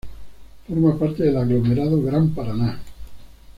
Forma parte del aglomerado Gran Paraná.